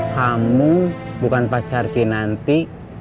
kamu bukan pacar kinanti